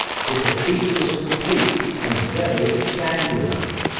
The defeat was complete and very sanguinary.